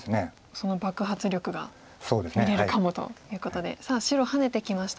その爆発力が見れるかもということでさあ白ハネてきました。